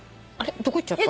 どこいっちゃった？